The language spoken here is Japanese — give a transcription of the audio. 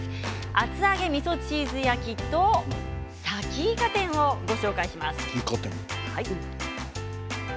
厚揚げみそチーズとさきいか天をご紹介します。